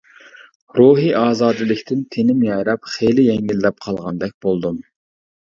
روھى ئازادىلىكتىن تېنىم يايراپ، خېلى يەڭگىللەپ قالغاندەك بولدۇم.